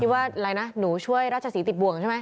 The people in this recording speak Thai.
ว่าอะไรนะหนูช่วยราชศรีติดบ่วงใช่ไหม